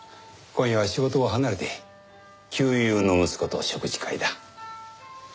今夜は仕事を離れて旧友の息子と食事会だ。